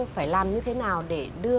phải làm như thế nào để đưa